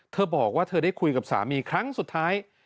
บอกว่าเธอได้คุยกับสามีครั้งสุดท้าย